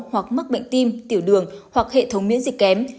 hoặc mắc bệnh tim tiểu đường hoặc hệ thống miễn dịch kém